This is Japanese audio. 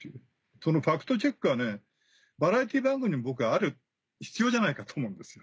そのファクトチェックがバラエティー番組に僕は必要じゃないかと思うんですよ。